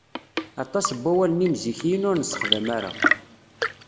Aṭas n wawalen imzikiyen ur nessexdam ara.